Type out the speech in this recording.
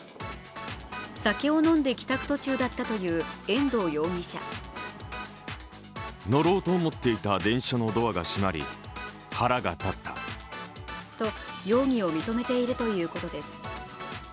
酒を飲んで帰宅途中だったという遠藤容疑者。と、容疑を認めているということです。